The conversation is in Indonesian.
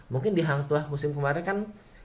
mungkin di hang tuah musim kemarin kan